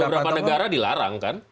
dan di beberapa negara dilarang kan